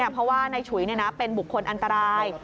เพราะว่านายฉุยเป็นบุคคลอันตราย